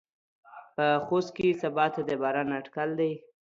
په خوست کې سباته د باران اټکل دى.